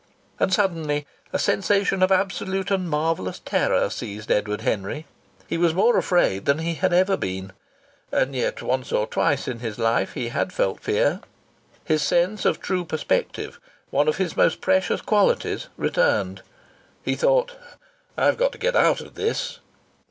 And suddenly a sensation of absolute and marvellous terror seized Edward Henry. He was more afraid than he had ever been and yet once or twice in his life he had felt fear. His sense of true perspective one of his most precious qualities returned. He thought: "I've got to get out of this."